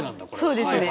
そうですね。